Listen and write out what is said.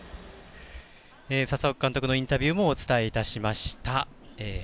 佐々岡監督のインタビューもお伝えいたしました。